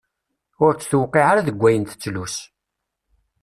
Ur tt-tewqiε ara deg ayen tettlus.